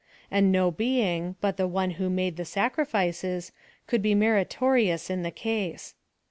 And no being, but the one who made the sacrifices, could be mc ritorious in the case.